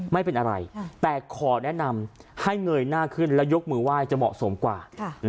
ไม่เป็นอะไรแต่ขอแนะนำให้เงยหน้าขึ้นแล้วยกมือไหว้จะเหมาะสมกว่า